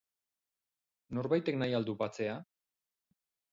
Norbaitek nahi al du batzea?